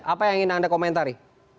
apa yang ingin anda komentari